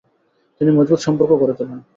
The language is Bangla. তিনি মজবুত সম্পর্ক গড়ে তোলেন।